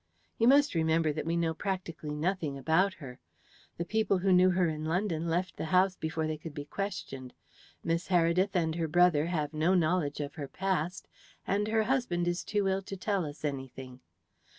"You must remember that we know practically nothing about her. The people who knew her in London left the house before they could be questioned; Miss Heredith and her brother have no knowledge of her past; and her husband is too ill to tell us anything.